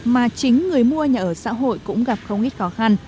mà chính người mua nhà ở xã hội cũng gặp không ít khó khăn